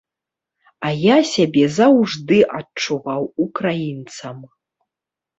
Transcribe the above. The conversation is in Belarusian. А я сябе заўжды адчуваў украінцам.